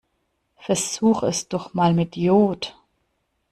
Versuch es doch mal mit Iod.